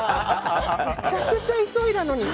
めちゃくちゃ急いだのに。